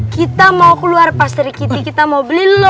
kita mau keluar pastri kitty kita mau beli lotion